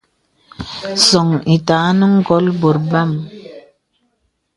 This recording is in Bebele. Sɔ̄ŋ itāgā nə ngɔ̀l bòt bam.